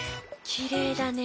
きれいだね。